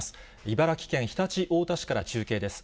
茨城県常陸太田市から中継です。